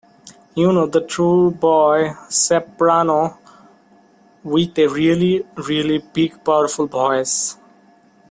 You know, the true boy soprano with a really, really big powerful voice.